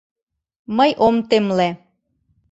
Мый ом темле.